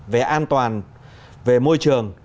về an toàn về môi trường